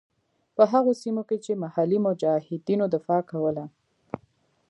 په هغو سیمو کې چې محلي مجاهدینو دفاع کوله.